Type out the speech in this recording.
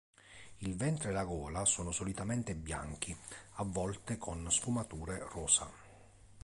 Il ventre e la gola sono solitamente bianchi, a volte con sfumature rosa.